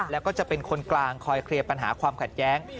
แล้วก็จะเป็นคนกลางคอยเคลียร์ปัญหาความขัดแย้ง